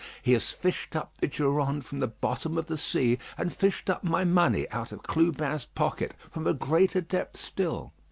He has fished up the Durande from the bottom of the sea; and fished up my money out of Clubin's pocket, from a greater depth still.